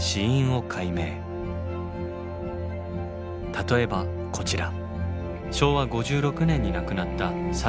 例えばこちら。